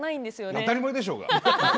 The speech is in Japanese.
当たり前でしょうが。